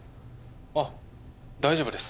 あっ大丈夫です